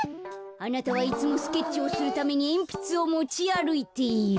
あなたはいつもスケッチをするためにえんぴつをもちあるいている。